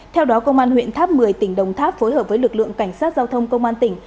theo đó công an huyện tháp một mươi tỉnh đồng tháp phối hợp với lực lượng cảnh sát giao thông công an tỉnh